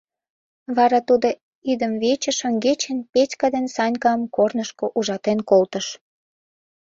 Вара тудо идымвече шеҥгечын Петька ден Санькам корнышко ужатен колтыш.